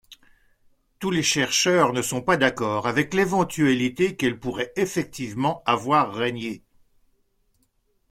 Tous les chercheurs ne sont pas d'accord avec l'éventualité qu'elle pourrait effectivement avoir régné.